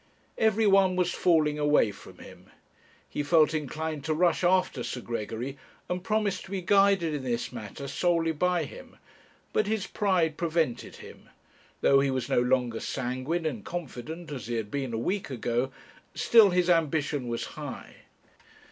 Every one was falling away from him. He felt inclined to rush after Sir Gregory, and promise to be guided in this matter solely by him, but his pride prevented him: though he was no longer sanguine and confident as he had been a week ago, still his ambition was high.